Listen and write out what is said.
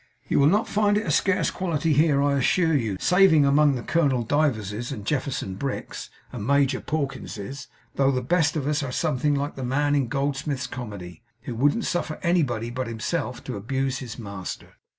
'You will not find it a scarce quality here, I assure you, saving among the Colonel Divers, and Jefferson Bricks, and Major Pawkinses; though the best of us are something like the man in Goldsmith's comedy, who wouldn't suffer anybody but himself to abuse his master.